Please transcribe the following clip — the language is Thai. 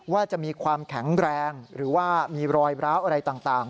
ว่าจะมีความแข็งแรงหรือว่ามีรอยร้าวอะไรต่าง